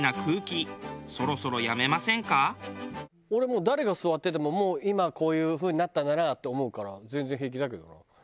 俺もう誰が座っててももう今はこういう風になったんだなって思うから全然平気だけどな。